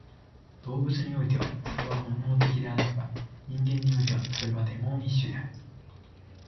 動物においてはそれは本能的であるが、人間においてはそれはデモーニッシュである。